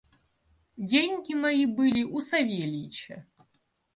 Деньги мои были у Савельича.